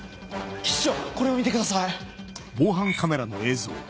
室長これを見てください！